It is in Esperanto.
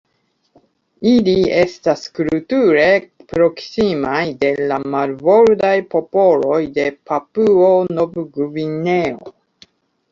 Ili estas kulture proksimaj de la marbordaj popoloj de Papuo-Nov-Gvineo.